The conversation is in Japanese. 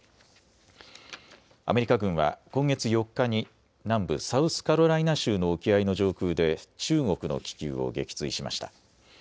アメリカ軍は今月４日に南部サウスカロライナ州の沖合の上空で中国の気球を撃墜しました。